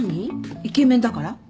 イケメンだから？